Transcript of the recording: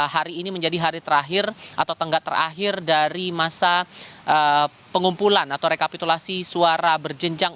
hari ini menjadi hari terakhir atau tenggat terakhir dari masa pengumpulan atau rekapitulasi suara berjenjang